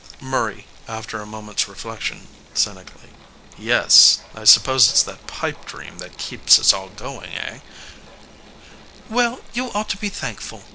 MURRAY (after a moment s reflection cynically}. Yes, I suppose it s that pipe dream that keeps us all going, eh ? MISS HOWARD. Well, you ought to be thankful.